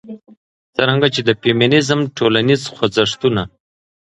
څرنګه چې د فيمنيزم ټولنيز خوځښتونه